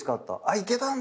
行けたんだ！